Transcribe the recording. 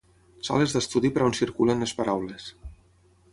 Sales d'estudi per on circulen les paraules.